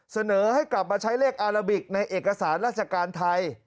เสนอให้กลับมาใช้เลขอาราบิกในเอกสารราชการไทย